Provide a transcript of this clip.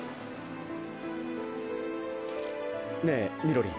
ねえみろりん。